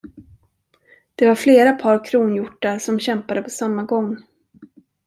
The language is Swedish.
Det var flera par kronhjortar, som kämpade på samma gång.